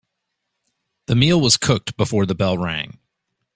The meal was cooked before the bell rang.